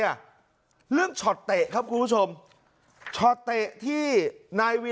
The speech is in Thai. อะเรื่องช็อตเตะครับคุณผู้ชมนายฟีราวิท